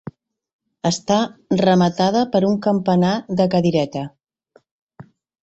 Està rematada per un campanar de cadireta.